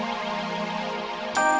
emang seperti apa om